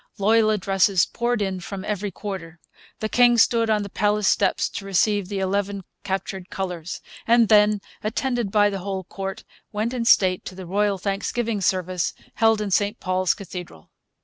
Loyal addresses poured in from every quarter. The king stood on the palace steps to receive the eleven captured colours; and then, attended by the whole court, went in state to the royal thanksgiving service held in St Paul's Cathedral.